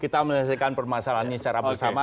kita menyelesaikan permasalahannya secara bersama